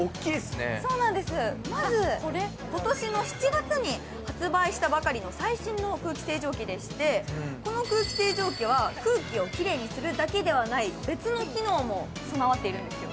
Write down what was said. まず今年の７月に発売したばかりの最新の空気清浄機でしてこの空気清浄機は空気をきれいにするだけではない、別の機能も備わっているんですよ。